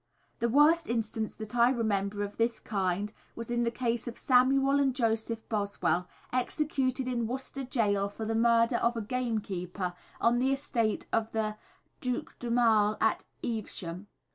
The worst instance that I remember of this kind was in the case of Samuel and Joseph Boswell, executed in Worcester Gaol for the murder of a game keeper on the estate of the Duc d'Aumale, at Evesham.